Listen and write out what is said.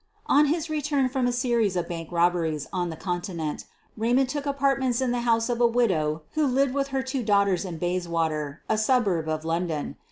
On his return from a series of bank robberies on the Continent, Eaymond took apartments in the honse of a widow who lived with her two daughters in Bayswater, a suburb of London.